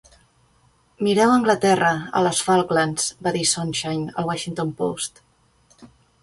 "Mireu Anglaterra, a les Falklands", va dir Sonenshein al "Washington Post".